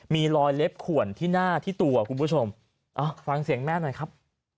มีรอยเล็บขวนที่หน้าที่ตัวคุณผู้ชมฟังเสียงแม่หน่อยครับ